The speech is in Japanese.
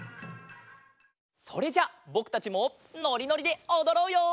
それじゃあぼくたちも「のりのり」でおどろうよ！